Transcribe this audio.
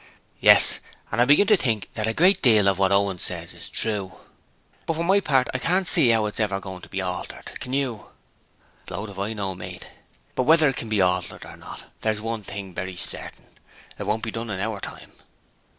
'Yes: and I begin to think that a great deal of what Owen says is true. But for my part I can't see 'ow it's ever goin' to be altered, can you?' Blowed if I know, mate. But whether it can be altered or not, there's one thing very certain; it won't be done in our time.'